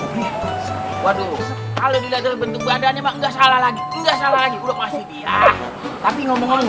lalu bentuk badannya enggak salah lagi enggak salah lagi udah masih dia tapi ngomong ngomong